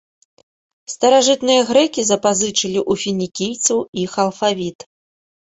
Старажытныя грэкі запазычылі ў фінікійцаў іх алфавіт.